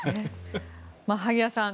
萩谷さん